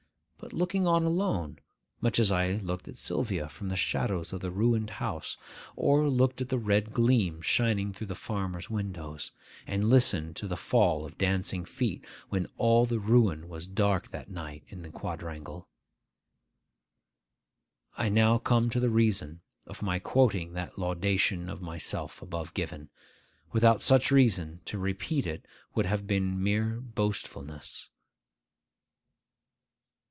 —but looking on alone, much as I looked at Sylvia from the shadows of the ruined house, or looked at the red gleam shining through the farmer's windows, and listened to the fall of dancing feet, when all the ruin was dark that night in the quadrangle. I now come to the reason of my quoting that laudation of myself above given. Without such reason, to repeat it would have been mere boastfulness.